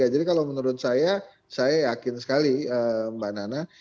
jadi kalau menurut saya saya yakin sekali mbak nana